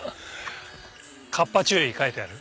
「カッパ注意」書いてある。